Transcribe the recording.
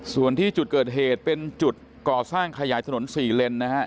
ส่วนที่จุดเกิดเหตุเป็นจุดก่อสร้างขยายถนน๔เลนนะฮะ